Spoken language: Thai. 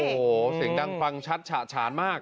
โอ้โหเสียงดังฟังชัดฉะฉานมาก